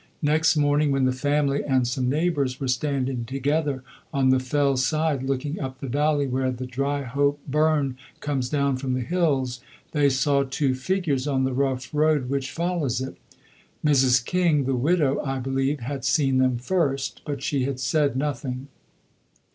Next morning, when the family and some neighbours were standing together on the fell side looking up the valley where the Dryhope burn comes down from the hills, they saw two figures on the rough road which follows it. Mrs. King, the widow, I believe, had seen them first, but she had said nothing.